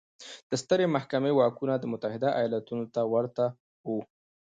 د سترې محکمې واکونه د متحده ایالتونو ته ورته وو.